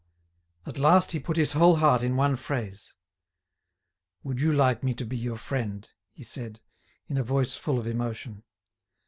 At last he put his whole heart in one phrase: "Would you like me to be your friend?" he said, in a voice full of emotion.